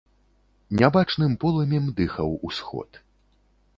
Нябачным полымем дыхаў усход.